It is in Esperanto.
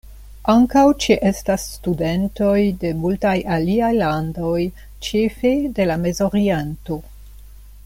Ankaŭ ĉe-estas studentoj de multaj aliaj landoj, ĉefe de la Mez-Oriento.